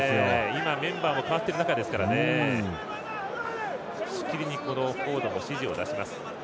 今、メンバーも変わっている中ですからしきりにフォードが指示を出します。